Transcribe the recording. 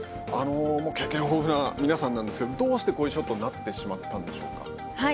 経験豊富な皆さんなんですが、どうしてこういうショットになってしまったんでしょうか？